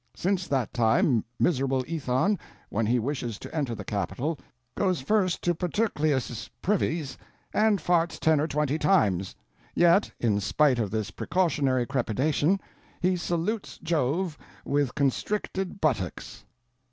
Since that time, miserable Aethon, when he wishes to enter the Capitol, goes first to Paterclius' privies and farts ten or twenty times. Yet, in spite of this precautionary crepitation, he salutes Jove with constricted buttocks."